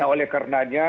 nah oleh karenanya